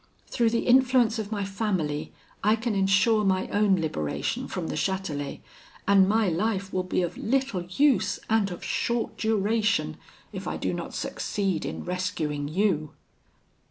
Through the influence of my family, I can ensure my own liberation from the Chatelet; and my life will be of little use, and of short duration, if I do not succeed in rescuing you.'